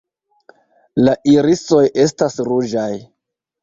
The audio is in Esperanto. La irisoj estas ruĝaj.